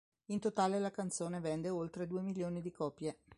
In totale la canzone vende oltre due milioni di copie.